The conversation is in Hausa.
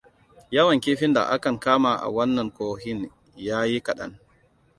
Yawan kifin da akan kama a wannan kohin yayi kadan.